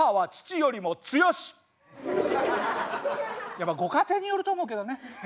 やっぱご家庭によると思うけどね。